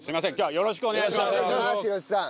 よろしくお願いします廣瀬さん。